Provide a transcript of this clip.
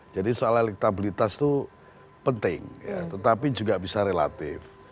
jadi soal elektabilitas itu penting tetapi juga bisa relatif